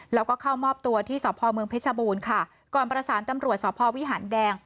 แล้วก็เข้ามอบตัวที่สพเมืองเพชรบูรณ์ค่ะก่อนประสานตำรวจสพวิหารแดง